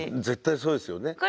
絶対そうですよね。